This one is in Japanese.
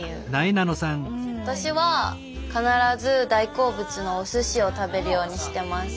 私は必ず大好物のおすしを食べるようにしてます。